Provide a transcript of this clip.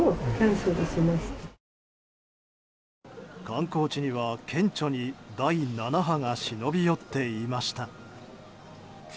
観光地には顕著に第７波が忍び寄っていました。